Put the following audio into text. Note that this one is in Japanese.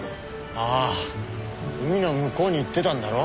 ああ海の向こうに行ってたんだろ？